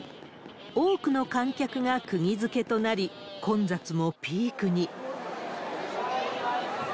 多くの観客がくぎづけとなり、混雑もピークに。